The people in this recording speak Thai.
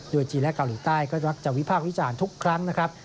โดยจีนและเกาหลีใต้ก็มักจะวิพากษ์วิจารณ์ทุกครั้งนะครับ